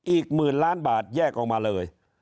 อีกหมื่นล้านบาทแยกออกมาเลย